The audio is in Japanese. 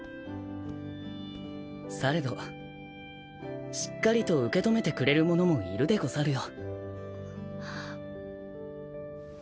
されどしっかりと受け止めてくれる者もいるでござるよ。